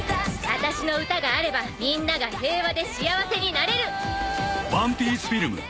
「私の歌があればみんなが平和で幸せになれる」